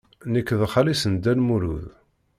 Nekk d xali-s n Dda Lmulud.